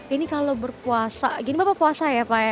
ini kalau berpuasa gini bapak puasa ya pak ya